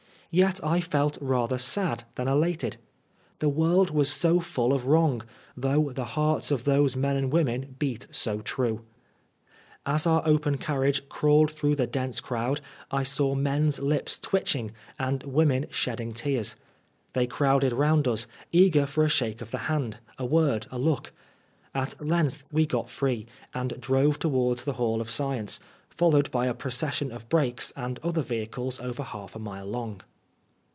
Yet I felt rather sad than elated. The world was so full of wrong, though the hearts of those men and women beat so true I As our open carriage crawled throtlgh the dense crowd I saw men's lips twitching and women shedding tears. They crowded round us, eager for a shake of the hand, a word, a look. At length we got free, and drove towards the Hall of Science, followed by a pro cession of brakes and other vehicles over half a mile long.